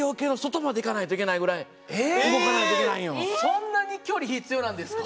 そんなに距離必要なんですか？